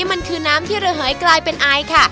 มันคือน้ำที่ระเหยกลายเป็นไอค่ะ